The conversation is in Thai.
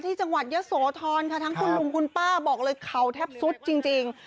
จังหวัดเยอะโสธรค่ะทั้งคุณลุงคุณป้าบอกเลยเขาแทบสุดจริง